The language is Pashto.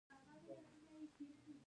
له رامنځته شوې ناسم تفاهم څخه بخښنه غواړم.